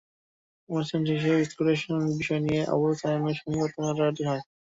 অনুষ্ঠান শেষে বিস্কুটের বিষয় নিয়ে আবু সায়েমের সঙ্গে তাঁর কথা-কাটাকাটি হয়।